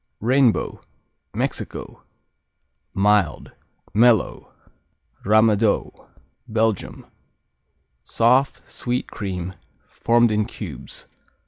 Rainbow Mexico Mild; mellow. Ramadoux Belgium Soft; sweet cream; formed in cubes.